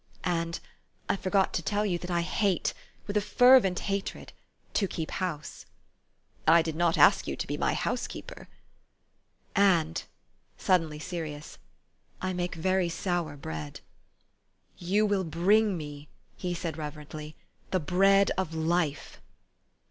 " And I forgot to tell you that I hate with a fervent hatred to keep house." " I did not ask you to be my housekeeper !" u And," suddenly serious, "I make very sour bread." " You will bring me," he said reverently, " the bread of life."